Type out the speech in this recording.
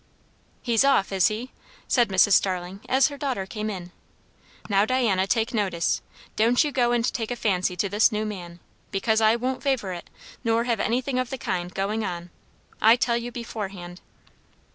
"He's off, is he?" said Mrs. Starling as her daughter came in. "Now Diana, take notice; don't you go and take a fancy to this new man; because I won't favour it, nor have anything of the kind going on. I tell you beforehand."